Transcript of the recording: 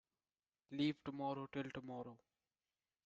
Leave tomorrow till tomorrow.